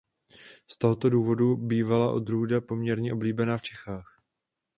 Z tohoto důvodu bývala odrůda poměrně oblíbená v Čechách.